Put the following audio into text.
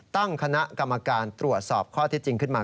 ตั้งคณะกรรมการตรวจสอบข้อเท็จจริงขึ้นมา